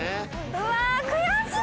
うわあ悔しい！